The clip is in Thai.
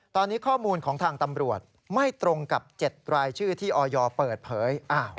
ตอนนี้ข้อมูลของทางตำรวจไม่ตรงกับ๗รายชื่อที่ออยเปิดเผย